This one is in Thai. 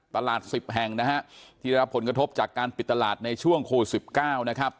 ตลาดสิบแห่งนะฮะที่ได้รับผลกระทบจากการปิดตลาดในช่วงโครวสิบเก้านะครับ